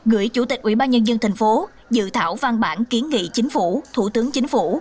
gửi chủ tịch ủy ban nhân dân tp hcm dự thảo văn bản kiến nghị chính phủ thủ tướng chính phủ